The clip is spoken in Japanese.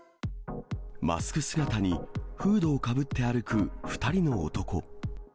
マスク姿にフードをかぶって歩く２人の男。